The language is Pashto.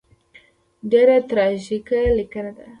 ډېره تراژیکه لیکنه.